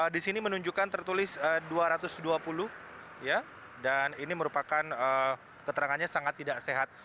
di sini menunjukkan tertulis dua ratus dua puluh dan ini merupakan keterangannya sangat tidak sehat